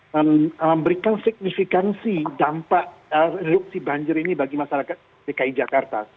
dan memberikan signifikansi dampak reduksi banjir ini bagi masyarakat dki jakarta